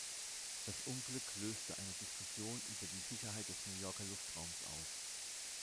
Das Unglück löste eine Diskussion über die Sicherheit des New Yorker Luftraums aus.